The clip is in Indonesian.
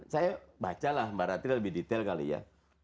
saya baca lah mbak ratri lebih detail kali ya